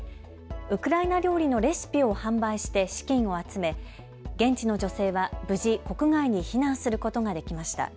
ウクライナ料理のレシピを販売して資金を集め現地の女性は無事、国外に避難することができました。